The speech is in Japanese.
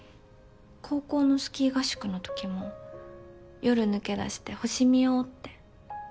高校のスキー合宿のときも夜抜け出して星見ようって。